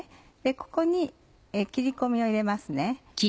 ここに切り込みを入れますね。